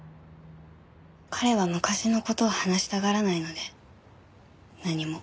彼は昔の事を話したがらないので何も。